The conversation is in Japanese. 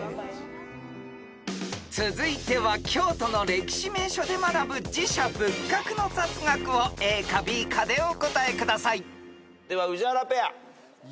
［続いては京都の歴史名所で学ぶ寺社仏閣の雑学をＡかＢかでお答えください］では宇治原ペア。